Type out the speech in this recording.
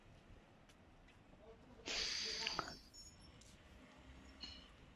诺奥卡特区是吉尔吉斯斯坦西南州份奥什州下辖的一个区。